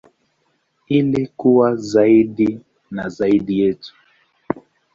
Ili kuwa zaidi na zaidi yetu.